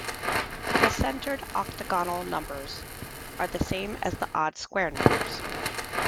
The centered octagonal numbers are the same as the odd square numbers.